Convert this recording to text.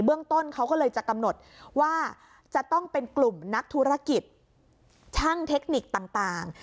เรื่องต้นเขาก็เลยจะกำหนดว่าจะต้องเป็นกลุ่มนักธุรกิจช่างเทคนิคต่าง